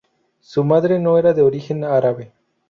Su madre no era de origen árabe.